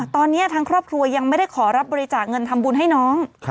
ตอนนี้ทางครอบครัวยังไม่ได้ขอรับบริจาคเงินทำบุญให้น้อง